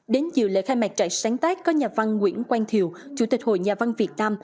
đến dự lễ khai mạc trại sáng tác có nhà văn nguyễn quang thiều chủ tịch hội nhà văn việt nam